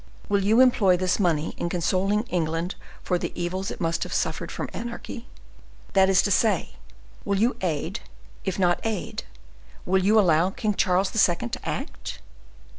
Will you employ this money in consoling England for the evils it must have suffered from anarchy; that is to say, will you aid, and if not aid, will you allow King Charles II. to act?